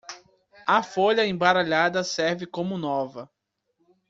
A folha embaralhada serve como nova.